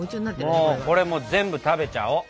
もうこれ全部食べちゃお！